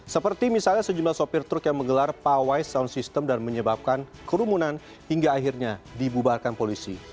seperti misalnya sejumlah sopir truk yang menggelar pawai sound system dan menyebabkan kerumunan hingga akhirnya dibubarkan polisi